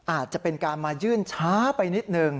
อาจจะเป็นการมายื่นช้าไปนิดนึง